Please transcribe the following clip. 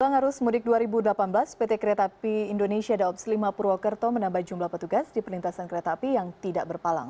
jelang arus mudik dua ribu delapan belas pt kereta api indonesia daops lima purwokerto menambah jumlah petugas di perlintasan kereta api yang tidak berpalang